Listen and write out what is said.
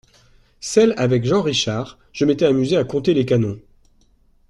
celle avec Jean Richard, je m’étais amusé à compter les canons.